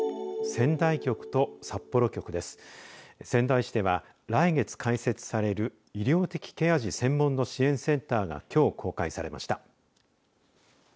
仙台市では来月開設される医療的ケア児専門の支援センターがきょう公開されました。